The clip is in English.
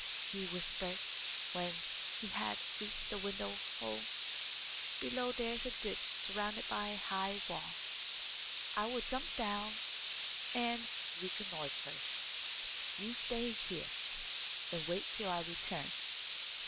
he whispered, when he had reached the window hole. "Below there is a ditch surrounded by a high wall. I will jump down and reconnoitre. You stay here, and wait till I return."